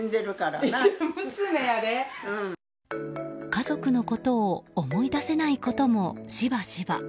家族のことを思い出せないこともしばしば。